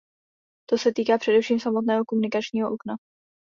To se týká především samotného komunikačního okna.